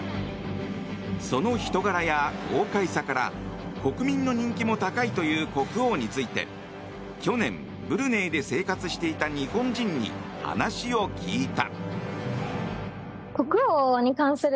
その人柄や豪快さから国民の人気も高いという国王について去年ブルネイで生活していた日本人に話を聞いた。